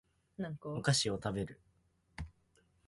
お菓子を食べる